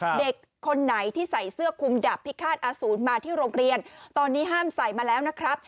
เด็กคนไหนที่ใส่เสื้อคุมดับพิฆาตอาสูรมาที่โรงเรียนตอนนี้ห้ามใส่มาแล้วนะครับ